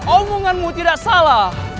omonganmu tidak salah